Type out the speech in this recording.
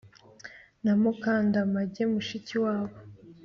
Na Mukandamage mushiki wabo